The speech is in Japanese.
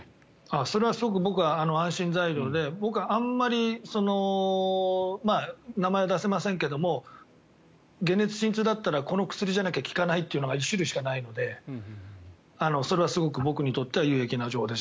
それは安心材料で僕、あまり名前は出せませんが解熱鎮痛だったらこの薬しか効かないというのが１種類しかないのでそれはすごく僕にとっては有益な情報です。